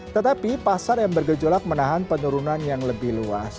tetapi pasar yang bergejolak menahan penurunan yang lebih luas